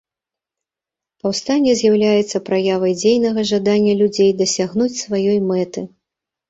Паўстанне з'яўляецца праявай дзейнага жадання людзей дасягнуць сваёй мэты.